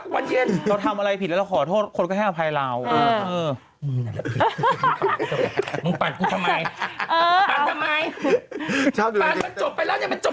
มดน้ำตาตกข่าวกลับเช้ากลับวันเย็น